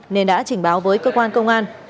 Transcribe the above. nên đã trình báo với cơ quan công an